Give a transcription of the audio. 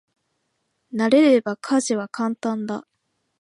慣れれば家事は簡単だ。